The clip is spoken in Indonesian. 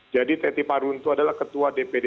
jadi teti paruntu adalah ketua dpd